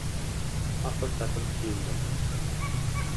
Apil-tapil kiyindim.